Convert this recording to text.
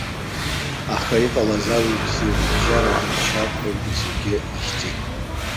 Аха, иҟалаз али-ԥси рыбжьара аԥсшьарҭа ҩны зегьы иахьӡеит.